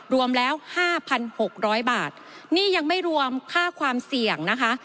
รวมแล้วห้าพันหกร้อยบาทนี่ยังไม่รวมค่าความเสี่ยงนะคะ